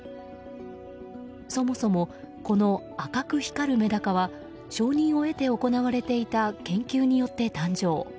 そもそもこの赤く光るメダカは承認を得て行われていた研究によって誕生。